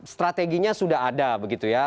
strateginya sudah ada begitu ya